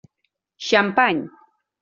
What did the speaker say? Xampany!